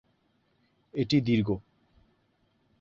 এটি দীর্ঘ।